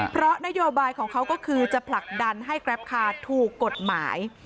เพราะนโยบายของเขาก็คือจะผลักดันให้กราฟคาร์ถูกกฎหมาย